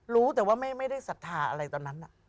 รู้แต่ว่าไม่ได้ศรัทธาอะไรตอนนั้น